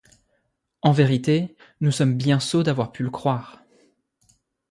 En vérité, nous sommes bien sots d’avoir pu le croire!...